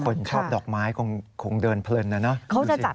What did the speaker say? คนชอบดอกไม้คงเดินเพลินนะ